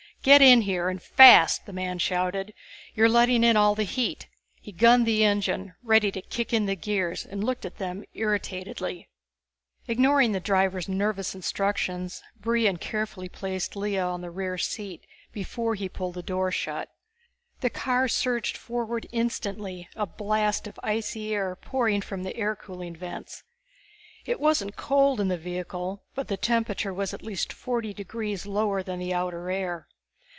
"Get in here and fast!" the man shouted. "You're letting in all the heat." He gunned the engine, ready to kick in the gears, and looked at them irritatedly. Ignoring the driver's nervous instructions, Brion carefully placed Lea on the rear seat before he pulled the door shut. The car surged forward instantly, a blast of icy air pouring from the air cooling vents. It wasn't cold in the vehicle but the temperature was at least forty degrees lower than the outer air.